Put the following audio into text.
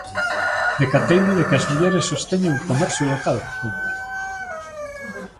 "Decateime de que as mulleres sosteñen o comercio local", conta.